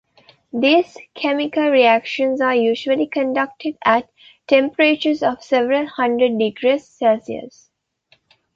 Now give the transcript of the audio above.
These chemical reactions are usually conducted at temperatures of several hundred degrees Celsius.